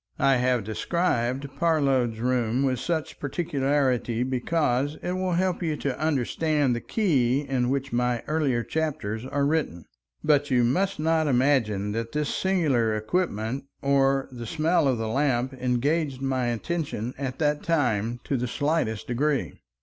I have described Parload's room with such particularity because it will help you to understand the key in which my earlier chapters are written, but you must not imagine that this singular equipment or the smell of the lamp engaged my attention at that time to the slightest degree.